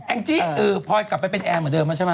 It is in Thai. อันนี้ปลอยกลับเป็นตนของแอร์เหมือนเดิมใช่มั้ย